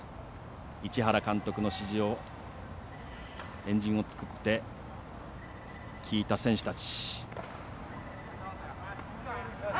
市原監督の指示を円陣を作って聞いた選手たち。